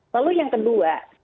lalu yang kedua